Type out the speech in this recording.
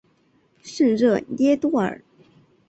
圣热涅多尔。